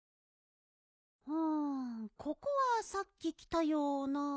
うんここはさっききたような。